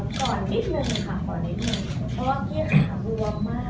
ก่อนนิดนึงค่ะเพราะว่าเกลี้ยขาบวงมาก